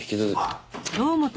あっ。